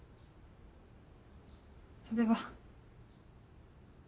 それは。